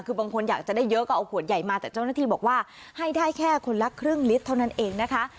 คือบางคนอยากจะได้เยอะก็เอาขวดใหญ่มาแต่เจ้าหน้าที่บอกว่าให้ได้แค่คนละครึ่งลิตรเท่านั้นเองนะคะ